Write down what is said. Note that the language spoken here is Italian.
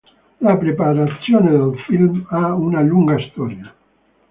La preparazione del film ha una lunga storia.